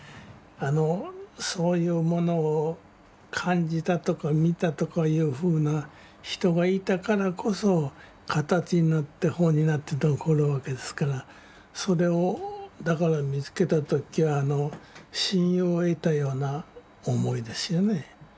あのそういうものを感じたとか見たとかいうふうな人がいたからこそ形になって本になって残るわけですからそれをだから見つけた時は親友を得たような思いですよね。